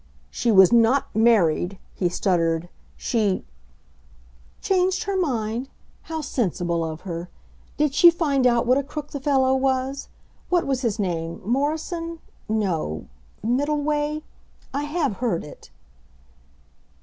"She was not married," he stuttered. "She " "Changed her mind? How sensible of her! Did she find out what a crook the fellow was? What was his name Morrison? No Middleway I have heard it."